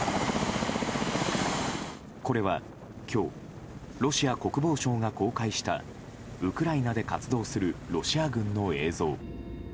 これは、今日ロシア国防省が公開したウクライナで活動するロシア軍の映像。